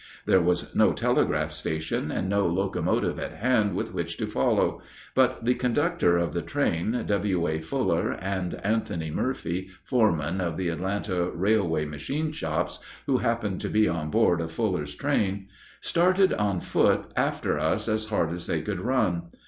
There was no telegraph station, and no locomotive at hand with which to follow; but the conductor of the train, W.A. Fuller, and Anthony Murphy, foreman of the Atlanta railway machine shops, who happened to be on board of Fuller's train, started on foot after us as hard as they could run.